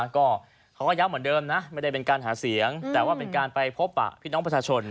ก็เขาก็ย้ำเหมือนเดิมนะไม่ได้เป็นการหาเสียงแต่ว่าเป็นการไปพบปะพี่น้องประชาชน